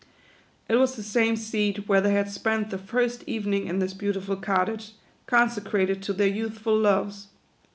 It was the same seat where they had spent the first evening in this beautiful cottage, consecrated to their youthful loves.